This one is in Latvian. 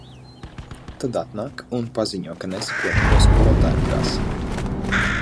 Tad atnāk un paziņo, ka nesaprot, ko skolotāja prasa.